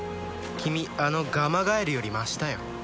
君あのガマガエルよりましだよ